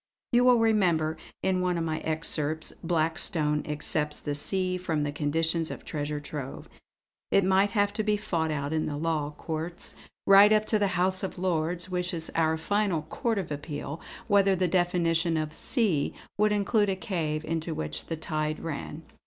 You will remember, in one of my excerpts Blackstone excepts the sea from the conditions of treasure trove. It might have to be fought out in the Law Courts, right up to the House of Lords which is our final Court of Appeal, whether the definition of 'sea' would include a cave into which the tide ran."